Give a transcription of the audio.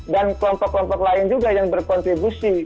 dan kelompok kelompok lain juga yang berkontribusi